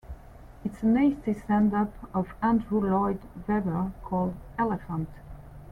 It's a "nasty send-up of Andrew Lloyd Webber" called "Elephant!